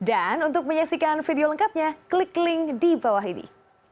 dan untuk menyaksikan video lengkapnya klik link di bawah ini